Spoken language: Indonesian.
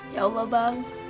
ya allah bang